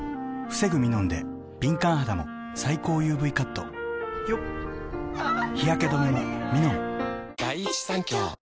防ぐミノンで敏感肌も最高ＵＶカット日焼け止めもミノン！